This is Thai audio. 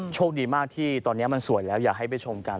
โชคดีมากที่ตอนนี้มันสวยแล้วอยากให้ไปชมกัน